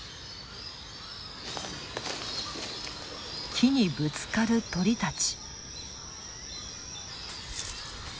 木にぶつかる鳥たち。